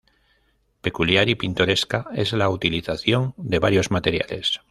Peculiar y pintoresca es la utilización de varios materiales.